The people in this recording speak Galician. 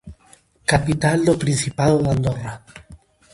Capital do Principado de Andorra.